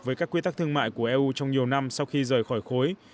với các quy tắc thương mại của eu trong nhiều năm sau khi rời khỏi khối